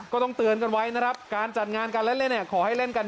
ก็ต้องเตือนกันไว้นะครับการจัดงานการเล่นเลย